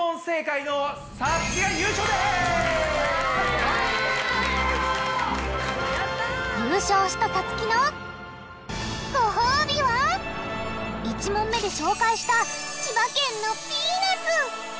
優勝したさつきのごほうびは１問目で紹介した千葉県のピーナツ。